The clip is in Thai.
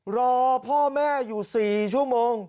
รอพ่อแม่อยู่๔ชั่วโมง